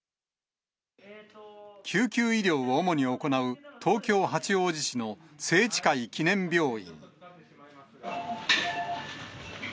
救急医療を主に行う東京・八王子市の清智会記念病院。